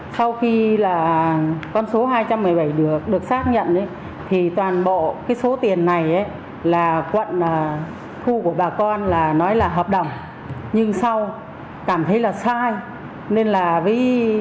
sau khi con số hai trăm một mươi bảy được xác nhận toàn bộ số tiền này là quận thu của bà con nói là hợp đồng nhưng sau cảm thấy là sai